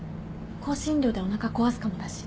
香辛料でおなか壊すかもだし。